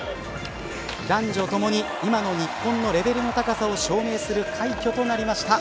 男女ともに今の日本のレベルの高さを照明する快挙となりました。